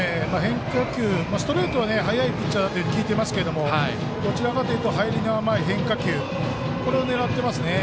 ストレートは速いピッチャーって聞いていますけどどちらかというと入りの甘い変化球、これを狙ってますね。